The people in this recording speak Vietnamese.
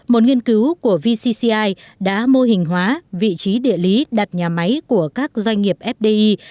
một nghiên cứu của vcci đã mô hình hóa vị trí địa lý đặt nhà máy của các doanh nghiệp fdi